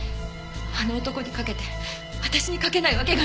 あの男に書けて私に書けないわけがない。